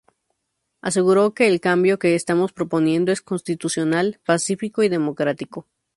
Aseguro que "El cambio que estamos proponiendo es constitucional, pacífico y democrático.